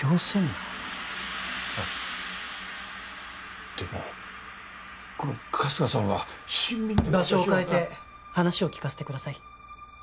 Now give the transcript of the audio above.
はいでもこの春日さんは親身に場所を変えて話を聞かせてください